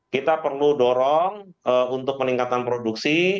kita perlu dorong untuk peningkatan produksi